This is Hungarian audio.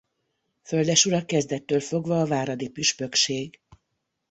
Földesura kezdettől fogva a váradi püspökség.